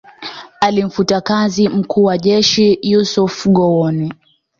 Alimfuta kazi mkuu wa jeshi Yusuf Gowon